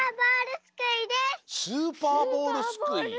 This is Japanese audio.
スーパーボールすくい？